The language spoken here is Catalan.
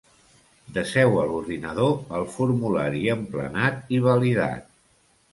Deseu a l'ordinador el formulari emplenat i validat.